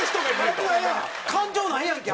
感情ないやんけ